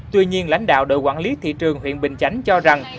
tuy nhiên lãnh đạo đội quản lý thị trường huyện bình chánh cho rằng